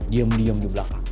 diam diam di belakang